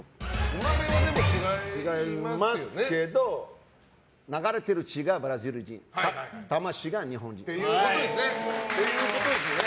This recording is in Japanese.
違いますけど流れてる血はブラジル人魂が日本人。っていうことですね。